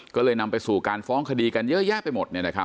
ก็เลยนำไปสู่การฟ้องคดีกันเยอะแยะไปหมด